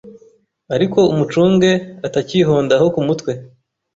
ariko umucunge atacyihondaho kumutwe